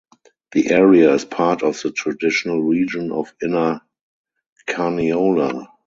The area is part of the traditional region of Inner Carniola.